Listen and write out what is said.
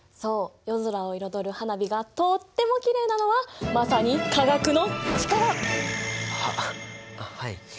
夜空を彩る花火がとってもきれいなのはまさに化学の力！ははい。